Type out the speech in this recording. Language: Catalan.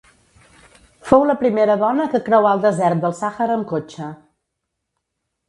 Fou la primera dona que creuà el desert del Sàhara amb cotxe.